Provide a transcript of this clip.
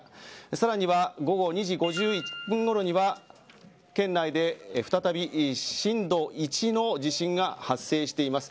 さらには午後２時５１分ごろには県内で再び震度１の地震が発生しています。